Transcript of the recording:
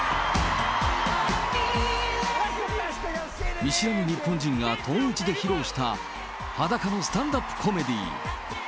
見知らぬ日本人がこの地で披露した裸のスタンダップコメディー。